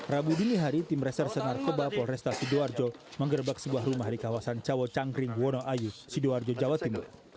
rabu dinihari tim resko bapol restasi doarjo menggerebek sebuah rumah di kawasan cawo cangkring wonoayu sidoarjo jawa timur